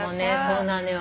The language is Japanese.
そうなのよ。